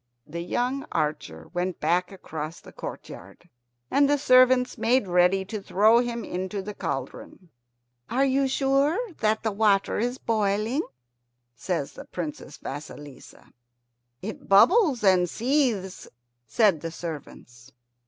The young archer went back across the courtyard, and the servants made ready to throw him into the cauldron. "Are you sure that the water is boiling?" says the Princess Vasilissa. "It bubbles and seethes," said the servants.